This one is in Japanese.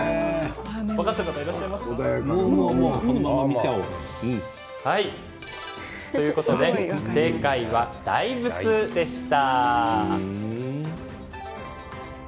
分かった方いらっしゃいますか？ということで正解は大仏でした。